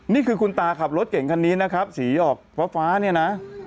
นี่คือคุณตาขับรถเก่งครันนี้สีหยอกฟ้านี่นะ